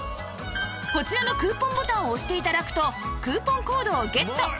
こちらのクーポンボタンを押して頂くとクーポンコードをゲット